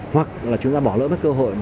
hoặc là chúng ta bỏ lỡ mất cơ hội